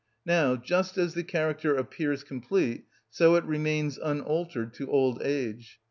Now, just as the character appears complete, so it remains unaltered to old age.